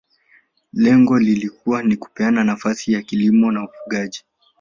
Lengo lilikuwa ni kupeana nafasi ya kilimo na ufugaji